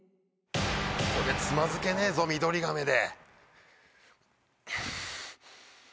つまずけねえぞミドリガメで。